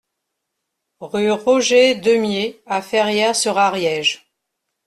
Rue Roger Deumié à Ferrières-sur-Ariège